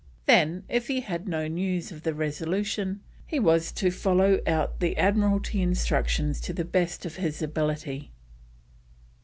Then, if he had no news of the Resolution, he was to follow out the Admiralty instructions to the best of his ability.